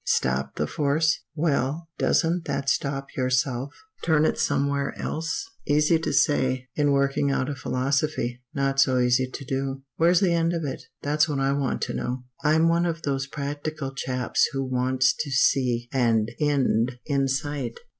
Stop the force? Well, doesn't that stop yourself? Turn it somewhere else? Easy to say in working out a philosophy, not so easy to do. "Where's the end of it? that's what I want to know. I'm one of those practical chaps who wants to see an end in sight.